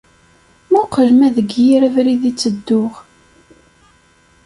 Muqqel ma deg yir abrid i ttedduɣ!